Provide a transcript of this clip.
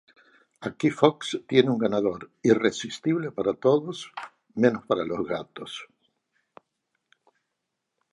Aquí Fox tiene un ganador, irresistible para todos menos para los gatos...